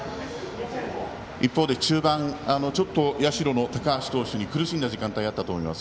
一方で中盤、社の高橋投手に苦しんだ時間帯があったと思います。